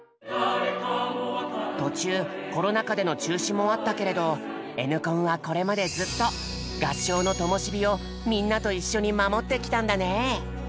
途中コロナ禍での中止もあったけれど「Ｎコン」はこれまでずっと合唱のともし火をみんなと一緒に守ってきたんだね。